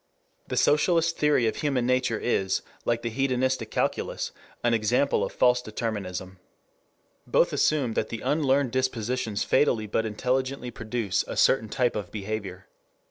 5 The socialist theory of human nature is, like the hedonistic calculus, an example of false determinism. Both assume that the unlearned dispositions fatally but intelligently produce a certain type of behavior.